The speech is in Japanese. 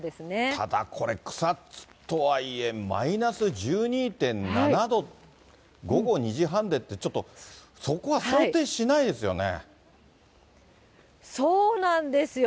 ただこれ、草津とはいえ、マイナス１２．７度、午後２時半でって、ちょっとそこは想定しないですよね。